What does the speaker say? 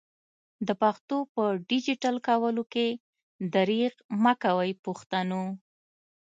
د پښتو په ډيجيټل کولو کي درېغ مکوئ پښتنو!